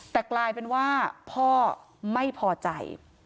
แต่กลายเป็นว่าพ่อไม่พอใจ